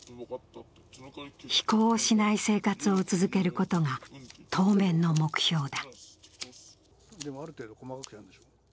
非行をしない生活を続けることが当面の目標だ。